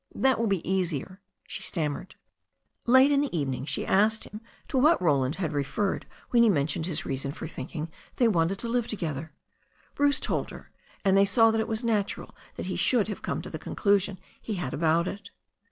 That will be easier," she stammered. Late in the evening she asked him to what Roland had referred when he mentioned his reason for thinking they wanted to live together. Bruce told her, and they saw that it was natural that he should have come to the conclusion he had about it.